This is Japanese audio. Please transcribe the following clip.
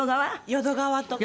淀川とか。